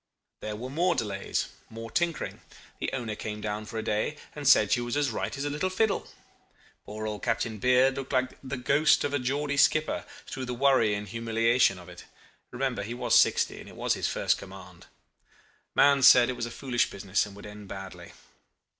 "There were more delays more tinkering. The owner came down for a day, and said she was as right as a little fiddle. Poor old Captain Beard looked like the ghost of a Geordie skipper through the worry and humiliation of it. Remember he was sixty, and it was his first command. Mahon said it was a foolish business, and would end badly.